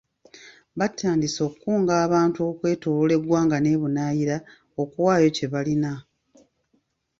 Batandise okukunga abantu okwetooloola eggwanga n'ebunaayira, okuwaayo kyebalina.